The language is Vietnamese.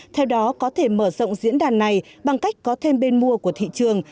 theo đó có thể mở rộng diễn đàn này bằng cách có thêm bên mua của thị trường